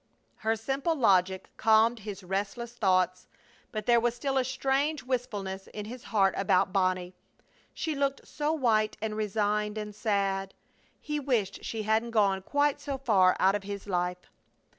Her simple logic calmed his restless thoughts, but there was still a strange wistfulness in his heart about Bonnie. She looked so white and resigned and sad! He wished she hadn't gone quite so far out of his life.